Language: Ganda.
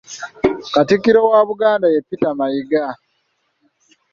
Katikkiro wa Buganda ye Peter Mayiga.